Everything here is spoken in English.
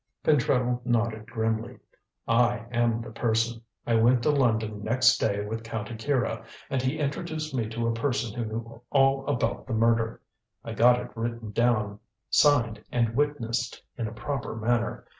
Pentreddle nodded grimly. "I am the person. I went to London next day with Count Akira, and he introduced me to a person who knew all about the murder. I got it written down, signed and witnessed in a proper manner.